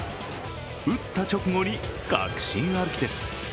打った直後に確信歩きです。